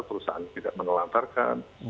perusahaan tidak menelantarkan